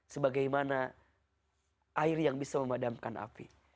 sebagaimana air yang bisa memadamkan api